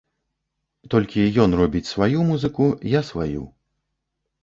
Толькі ён робіць сваю музыку, я сваю.